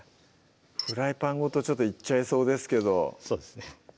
フライパンごといっちゃいそうですけどそうですね